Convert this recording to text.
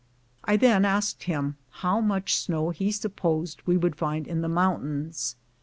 I then asked him how much snow he supposed we would find in the mountains?